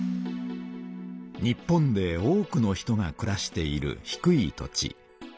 日本で多くの人がくらしている低い土地。